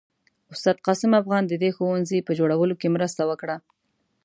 استاد قاسم افغان د دې ښوونځي په جوړولو کې مرسته وکړه.